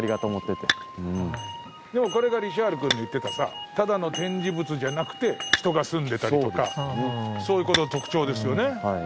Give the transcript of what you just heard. でもこれがリシャール君の言ってたさただの展示物じゃなくて人が住んでたりとかそういう事の特徴ですよね。